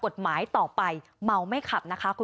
ใช่ค่ะ